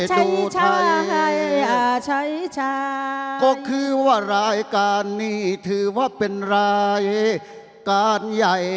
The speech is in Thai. สู้ใช้ชาก็คือว่ารายการนี้ถือว่าเป็นรายการใหญ่